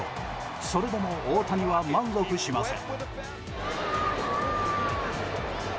それでも大谷は満足しません。